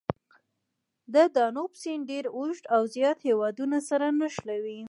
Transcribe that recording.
د دانوب سیند ډېر اوږد او زیات هېوادونه سره نښلوي.